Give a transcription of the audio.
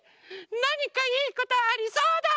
なにかいいことありそうだ！